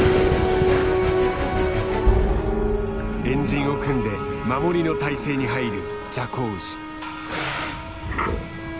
円陣を組んで守りの態勢に入るジャコウウシ。